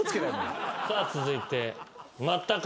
さあ続いて。